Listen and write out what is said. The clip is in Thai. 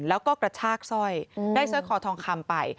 แล้วก็กระชากสร้อยได้สร้อยคอทองคำไป